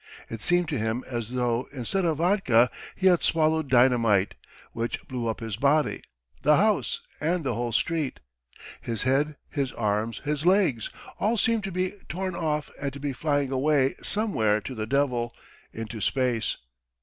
It seemed to him as though, instead of vodka, he had swallowed dynamite, which blew up his body, the house, and the whole street. ... His head, his arms, his legs all seemed to be torn off and to be flying away somewhere to the devil, into space.